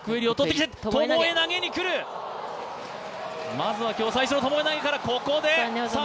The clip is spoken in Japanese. まずは今日最初のともえ投げから。